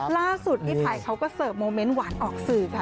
ล่าสุดพี่ไผ่เขาก็เสิร์ฟโมเมนต์หวานออกสื่อค่ะ